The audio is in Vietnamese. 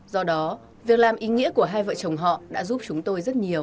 do đó việc làm ý nghĩa của hai vợ chồng họ đã giúp chúng tôi rất nhiều